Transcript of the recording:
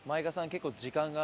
結構時間が。